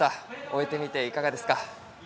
終えてみて、いかがですか？